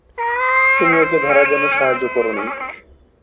তুমি ওকে ধরার জন্য সাহায্য করোনি।